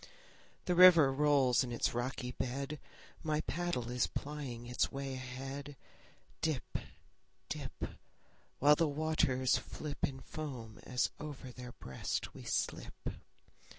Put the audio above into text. The river rolls in its rocky bed; My paddle is plying its way ahead; Dip, dip, While the waters flip In foam as over their breast we slip.